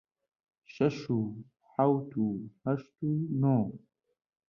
شەش و حەوت و هەشت و نۆ